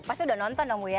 pasti udah nonton dong ya